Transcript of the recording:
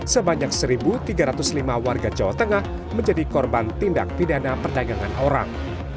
sebanyak satu tiga ratus lima warga jawa tengah menjadi korban tindak pidana perdagangan orang